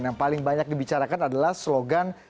yang paling banyak dibicarakan adalah slogan